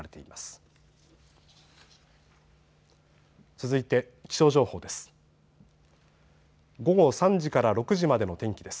続いて気象情報です。